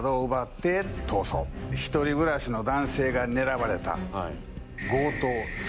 １人暮らしの男性が狙われた。